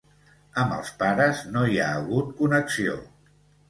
Amb els pares no hi ha hagut connexió.